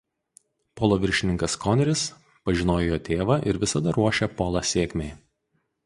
Polo viršininkas Koneris pažinojo jo tėvą ir visada ruošė Polą sėkmei.